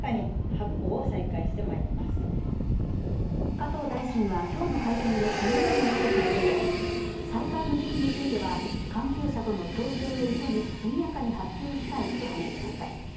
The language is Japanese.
加藤大臣は今日の会見でこのように述べたうえで再開の時期については関係者との調整を急ぎ速やかに発表したいと話しました。